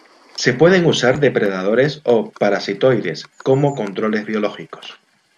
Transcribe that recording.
Se pueden usar depredadores o parasitoides como controles biológicos.